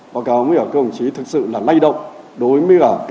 báo cáo mới ở công chí thực sự là lay động